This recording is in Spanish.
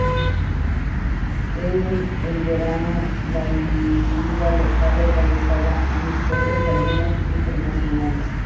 En el verano la Liga local organizaba amistosos, algunos internacionales.